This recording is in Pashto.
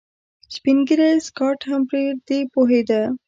سپين ږيری سکاټ هم پر دې پوهېده.